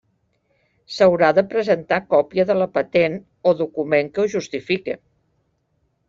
S'haurà de presentar còpia de la patent, o document que ho justifique.